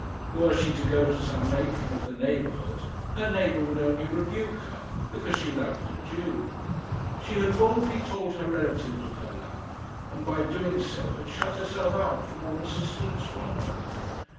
Were she to go to some matron of the neighbourhood, her neighbour would only rebuke her, because she loved a Jew. She had boldly told her relatives of her love, and by doing so had shut herself out from all assistance from them.